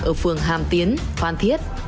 ở phường hàm tiến phan thiết